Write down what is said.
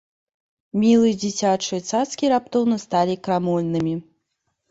Мілыя дзіцячыя цацкі раптоўна сталі крамольнымі.